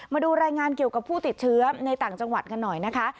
มาดูรายงานเกี่ยวกับผู้ติดเชื้อในต่างจังหวัดกันหน่อยนะคะ